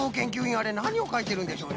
あれなにをかいてるんでしょうね？